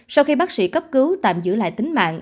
sau khi bác sĩ cấp cứu tạm giữ lại tính mạng